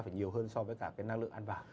phải nhiều hơn so với cả cái năng lượng ăn vào